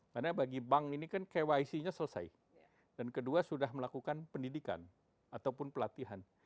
karena bagi bank ini kan kyc nya selesai dan kedua sudah melakukan pendidikan ataupun pelatihan